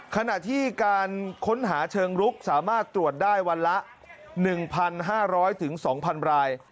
ขณะที่การค้นหาเชิงลุกสามารถตรวจได้วันละ๑๕๐๐๒๐๐ราย